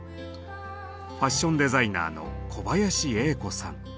ファッションデザイナーの小林栄子さん。